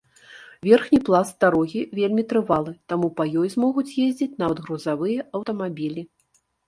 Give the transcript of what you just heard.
Верхні пласт дарогі вельмі трывалы, таму па ёй змогуць ездзіць нават грузавыя аўтамабілі.